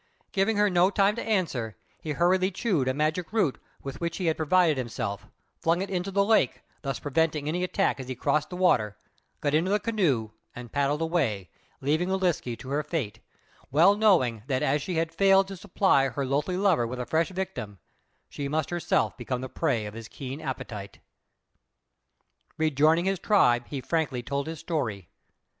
Giving her no time to answer, he hurriedly chewed a magic root with which he had provided himself, flung it into the lake, thus preventing any attack as he crossed the water, got into the canoe and paddled away, leaving Ūliske to her fate, well knowing that as she had failed to supply her loathly lover with a fresh victim, she must herself become the prey of his keen appetite. Rejoining his tribe, he frankly told his story.